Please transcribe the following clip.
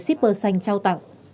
shipper xanh trao tặng